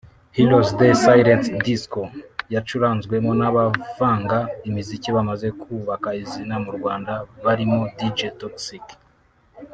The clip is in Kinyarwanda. Heroes Day Silent Disco” yacuranzwemo n’abavanga imiziki bamaze kubaka izina mu Rwanda barimo Dj Toxxyk